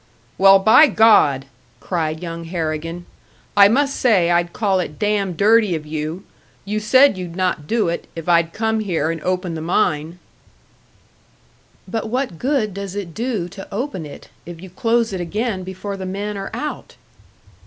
"Well, by God!" cried young Harrigan. "I must say I'd call it damned dirty of you! You said you'd not do it, if I'd come here and open the mine!" "But what good does it do to open it, if you close it again before the men are out?"